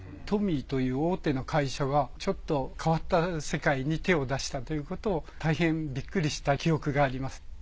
トミーという大手の会社がちょっと変わった世界に手を出したということ大変ビックリした記憶があります。